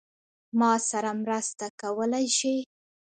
ما سره مرسته کولای شې؟